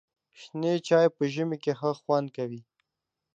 شنې چای په ژمي کې ښه خوند کوي.